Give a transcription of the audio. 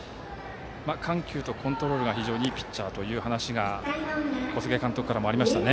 緩急とコントロールが非常にいいピッチャーという話が小菅監督からもありました。